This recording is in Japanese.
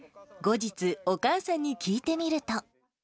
後日、お母さんに聞いてみると。